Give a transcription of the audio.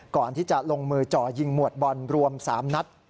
ก่อนที่จะลงมือจ่อยิงหมวดบอลรวม๓นัด